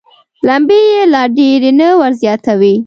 لمبې یې لا ډېرې نه وزياتوي.